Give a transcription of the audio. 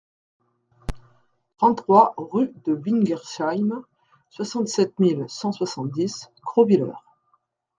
trente-trois rue de Wingersheim, soixante-sept mille cent soixante-dix Krautwiller